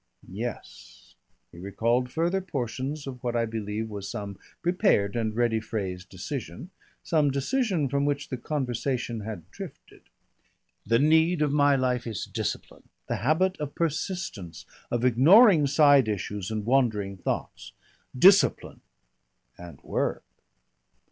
"Yes." He recalled further portions of what I believe was some prepared and ready phrased decision some decision from which the conversation had drifted. "The need of my life is discipline, the habit of persistence, of ignoring side issues and wandering thoughts. Discipline!" "And work."